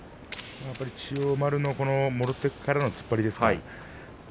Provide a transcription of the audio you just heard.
千代丸のもろ手からの突っ張りですね